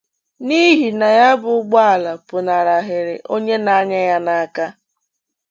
n'ihi na ya bụ ụgbọala pụnahịrị onye na-anya ya n'aka